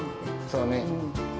そうね。